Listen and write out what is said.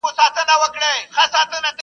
سي خوراک د توتکیو د مرغانو٫